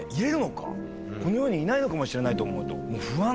この世にいないのかもしれないと思うと。